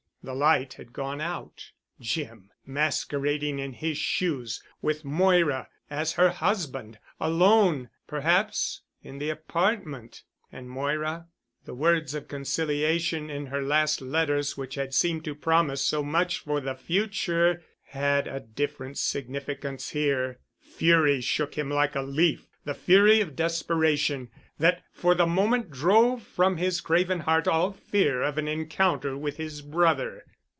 The light had gone out. Jim masquerading in his shoes—with Moira—as her husband—alone, perhaps, in the apartment! And Moira? The words of conciliation in her last letters which had seemed to promise so much for the future, had a different significance here. Fury shook him like a leaf, the fury of desperation, that for the moment drove from his craven heart all fear of an encounter with his brother.